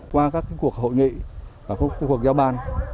qua các cuộc hội nghị và các cuộc giao ban